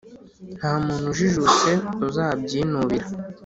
nta muntu ujijutse uzabyinubira